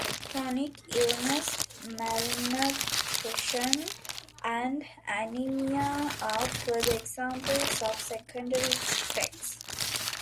Chronic illness, malnutrition, and anemia are further examples of secondary effects.